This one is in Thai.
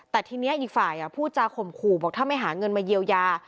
แต่ทีนี้อีกฝ่ายพูดจาข่มขู่บอกถ้าไม่หาเงินมาเยียวยา